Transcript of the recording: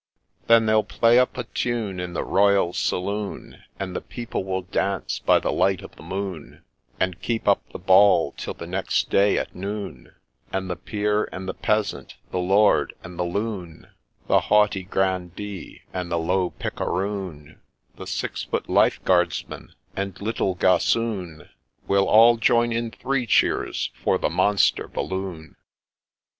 Then they'll play up a tune in the Royal Saloon, And the people will dance by the light of the moon, And keep up the ball till the next day at noon ; And the peer and the peasant, the lord and the loon, The haughty grandee, and the low picaroon, The six foot life guardsman, and little gossoon, Will all join in three cheers for the ' Monstre ' Balloon.